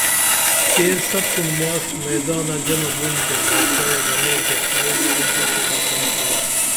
کیر سُپن ماڜ میدانہ جمع بُن تے باچائے گنے تے ائی مائی ژو کی قسم پرینُم